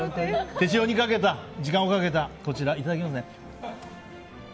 手塩にかけた時間をかけたこちらいただきますね。